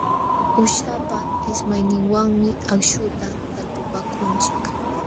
Uushapa ismayninwanmi akśhuta talpupaakunchik.